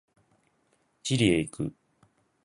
チリへ行く。